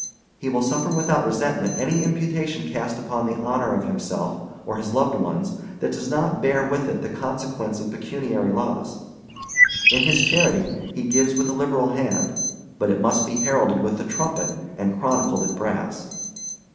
He will suffer without resentment any imputation cast upon the honor of himself or his loved ones that does not bear with it the consequence of pecuniary loss. In his charity, he gives with a liberal hand; but it must be heralded with the trumpet and chronicled in brass.